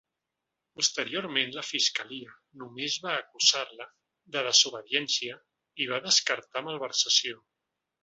Posteriorment la fiscalia només va acusar-la de desobediència i va descartar malversació.